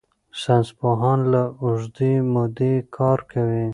ساینسپوهان له اوږدې مودې کار کوي.